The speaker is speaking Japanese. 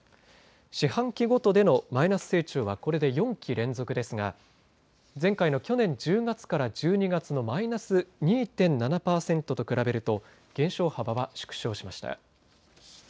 四半期ごとでのマイナス成長はこれで４期連続ですが前回の去年１０月から１２月のマイナス２．７％と比べると減少幅は縮小しました。